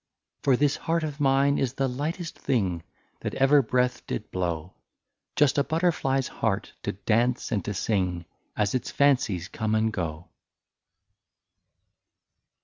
For this heart of mine is the lightest thing. That ever breath did blow, Just a butterfly's heart to dance and to sing, As its fancies come and go."